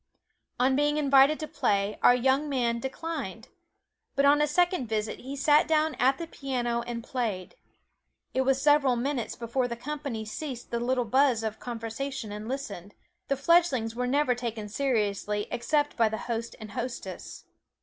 On being invited to play, our young man declined. But on a second visit he sat down at the piano and played. It was several minutes before the company ceased the little buzz of conversation and listened the fledglings were never taken seriously except by the host and hostess.